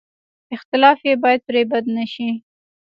اختلاف یې باید پرې بد نه شي.